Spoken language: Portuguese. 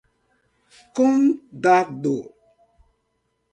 Condado